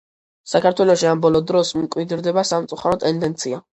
საქართველოში ამ ბოლო დროს მკვიდრდება სამწუხარო ტენდენცია.